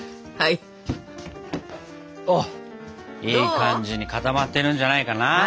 いい感じに固まってるんじゃないかな。